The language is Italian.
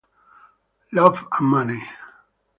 Love and Money